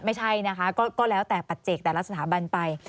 ไม่ใช่นะคะก็แล้วแต่ปัจเจกแต่ละสถาบันไป